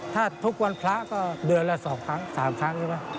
ถ้าทุกวันพระก็เดือนละ๒ครั้ง๓ครั้งใช่ไหม